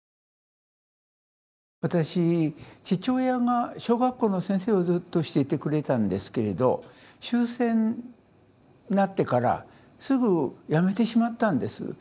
私父親が小学校の先生をずっとしていてくれてたんですけれど終戦になってからすぐ辞めてしまったんです。